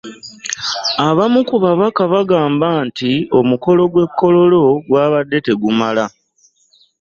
Abamu ku babaka bagamba nti omukolo gw’e Kololo gwabadde tegumala